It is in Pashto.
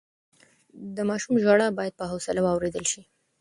د ماشوم ژړا بايد په حوصله واورېدل شي.